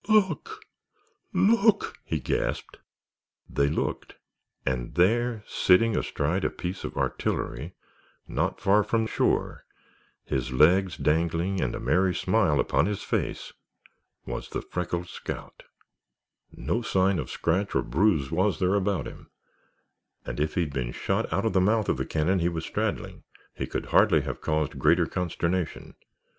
"Look—look!" he gasped. They looked, and there, sitting astride a piece of artillery not far from shore, his legs dangling and a merry smile upon his face, was the freckled scout! No sign of scratch or bruise was there about him, and if he had been shot out of the mouth of the cannon he was straddling he could hardly have caused greater consternation.